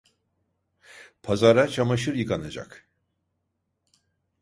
Pazara çamaşır yıkanacak…